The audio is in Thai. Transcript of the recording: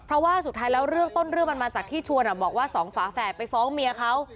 เพราะว่าสุดท้ายแล้วเรื่องต้นเรื่องมันมาจากที่ชวนบอกว่าสองฝาแฝดไปฟ้องเมียเขา